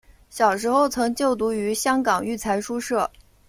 小时候曾就读于香港育才书社。